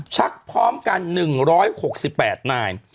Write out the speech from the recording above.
ชักพร้อมกัน๑๖๘นาย